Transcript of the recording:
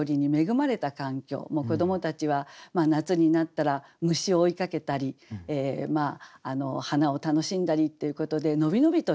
子どもたちは夏になったら虫を追いかけたり花を楽しんだりっていうことで伸び伸びとしている。